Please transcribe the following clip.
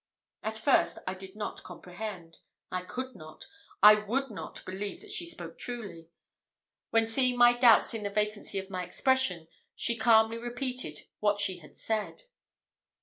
At first I did not comprehend I could not, I would not believe that she spoke truly: when seeing my doubts in the vacancy of my expression, she calmly repeated what she had said.